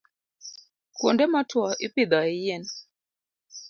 Kuonde motwo ipidhoe yien.